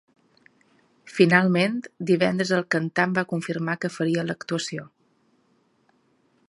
Finalment, divendres el cantant va confirmar que faria l’actuació.